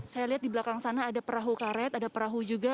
saya lihat di belakang sana ada perahu karet ada perahu juga